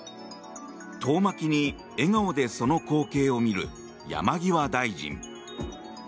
遠巻きに笑顔でその光景を見る山際大臣。